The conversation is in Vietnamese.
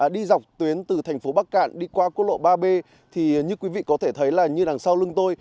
đi dọc tuyến từ thành phố bắc cạn đi qua quốc lộ ba b thì như quý vị có thể thấy là như đằng sau lưng tôi